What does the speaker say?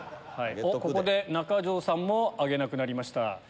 ここで中条さんも挙げなくなりました。